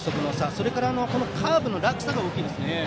それからカーブの落差が大きいですね。